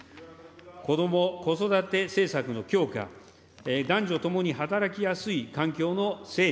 こども・子育て政策の強化、男女ともに働きやすい環境の整備、